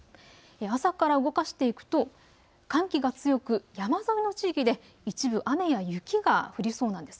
朝から動かしていくと寒気が強く、山沿いの地域で一部雨や雪が降りそうなんです。